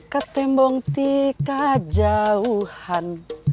ketembung tika jauhan